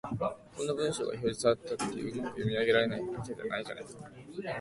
こんな文章が表示されたって、うまく読み上げられるわけがないじゃないか